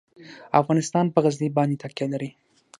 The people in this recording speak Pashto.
افغانستان په غزني باندې تکیه لري.